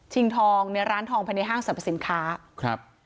ชิงทองร้านทองภายในห้างสรรพสินค้า